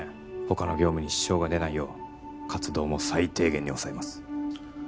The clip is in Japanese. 他の業務に支障が出ないよう活動も最低限に抑えます